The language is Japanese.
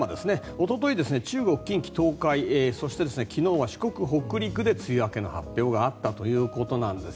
一昨日、中国、近畿、東海そして昨日は四国、北陸で梅雨明けの発表があったということです。